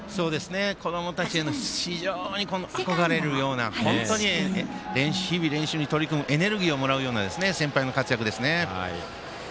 子どもたちへの非常に憧れるような日々練習に取り組むエネルギーをもらうような先輩の活躍ですね。